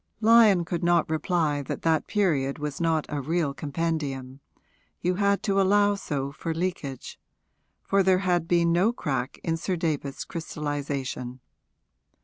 Lyon could not reply that that period was not a real compendium you had to allow so for leakage; for there had been no crack in Sir David's crystallisation.